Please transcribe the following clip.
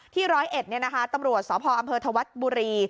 ที่๑๐๑ตำรวจสภอธวัฒน์บุรี